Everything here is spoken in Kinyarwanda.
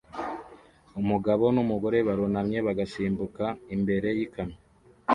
Umugabo numugore barunamye bagasimbuka imbere yikamyo